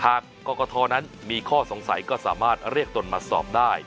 กรกฐนั้นมีข้อสงสัยก็สามารถเรียกตนมาสอบได้